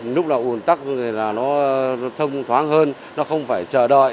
lúc là ủn tắc rồi là nó thông thoáng hơn nó không phải chờ đợi